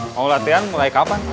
mau latihan mulai kapan